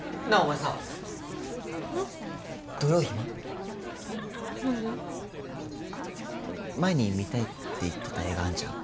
前に見たいって言ってた映画あんじゃん？